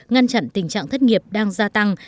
năn chặn tình trạng thất nghiệp đang gia tăng